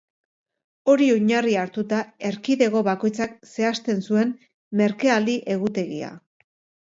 Hori oinarri hartuta, erkidego bakoitzak zehazten zuen merkealdi egutegia.